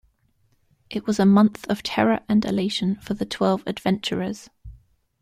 It was a month of terror and elation for the twelve adventurers.